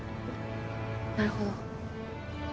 なるほど。